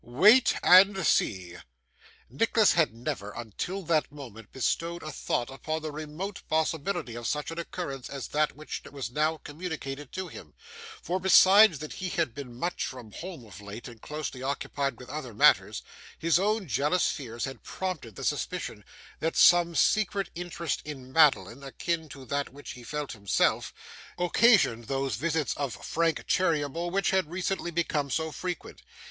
'Wait and see.' Nicholas had never, until that moment, bestowed a thought upon the remote possibility of such an occurrence as that which was now communicated to him; for, besides that he had been much from home of late and closely occupied with other matters, his own jealous fears had prompted the suspicion that some secret interest in Madeline, akin to that which he felt himself, occasioned those visits of Frank Cheeryble which had recently become so frequent.